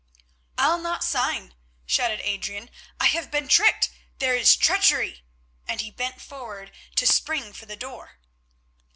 "I'll not sign!" shouted Adrian. "I have been tricked! There is treachery!" and he bent forward to spring for the door.